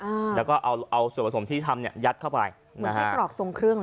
อืมแล้วก็เอาเอาส่วนผสมที่ทำเนี้ยยัดเข้าไปเหมือนใช้กรอกทรงเครื่อง